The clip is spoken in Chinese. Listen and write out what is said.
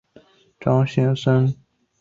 郑阮纷争时期成为广南阮主的统治中心。